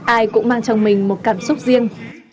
ai cũng mang trong mình một cảm xúc riêng